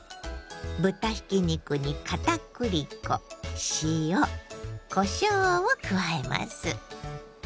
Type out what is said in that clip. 豚ひき肉に片栗粉塩こしょうを加えます。